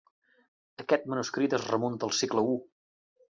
Aquest manuscrit es remunta al segle u.